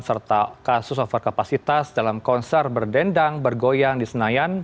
serta kasus overkapasitas dalam konser berdendang bergoyang di senayan